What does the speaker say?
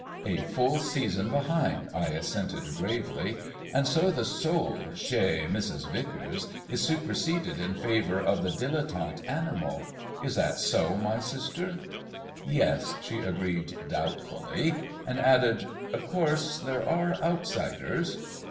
"A full season behind," I assented gravely. "And so the soul, chez Mrs. Vicars, is superseded in favour of the dilettante animal? Is that so, my sister?" "Yes," she agreed doubtfully, and added, "Of course there are outsiders."